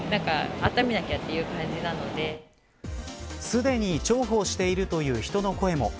すでに重宝しているという人の声も。